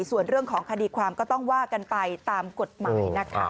ส่วนเรื่องของคดีความก็ต้องว่ากันไปตามกฎหมายนะคะ